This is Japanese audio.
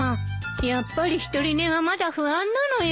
やっぱり独り寝はまだ不安なのよ。